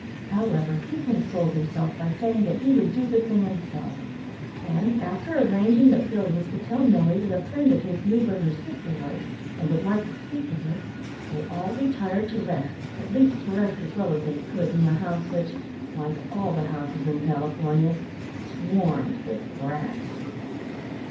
However, he consoled himself by saying that he would do the thing himself; and, after arranging that Bill was to tell Nelly that a friend of his knew where her sister was, and would like to speak with her, they all retired to rest, at least to rest as well as they could in a house which, like all the houses in California, swarmed with rats.